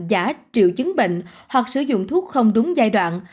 giả triệu chứng bệnh hoặc sử dụng thuốc không đúng giai đoạn